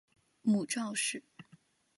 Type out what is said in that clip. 母赵氏。